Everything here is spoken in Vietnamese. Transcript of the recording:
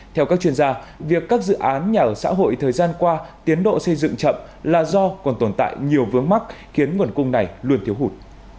theo các chuyên gia việc các dự án nhà ở xã hội thời gian qua tiến độ xây dựng chậm là do còn tồn tại nhiều vướng mắc khiến nguồn cung này luôn thiếu hụt